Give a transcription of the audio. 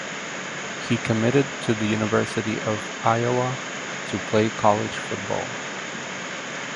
He committed to the University of Iowa to play college football.